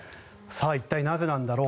一体なぜなんだろう